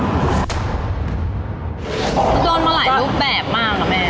คือโดนมาหลายรูปแบบมากนะแม่